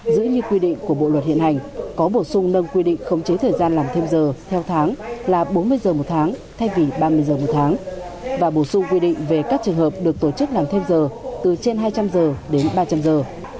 giữ như quy định của bộ luật hiện hành có bổ sung nâng quy định khống chế thời gian làm thêm giờ theo tháng là bốn mươi giờ một tháng thay vì ba mươi giờ một tháng và bổ sung quy định về các trường hợp được tổ chức làm thêm giờ từ trên hai trăm linh giờ đến ba trăm linh giờ